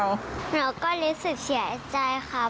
หนูก็รู้สึกเสียใจครับ